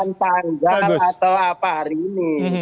menetapkan tanggal atau apa hari ini